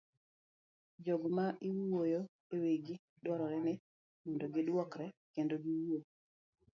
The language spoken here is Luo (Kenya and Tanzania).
Jogo ma iwuoyo ewigi dwarore ni mondo giduokre kendo giwuo.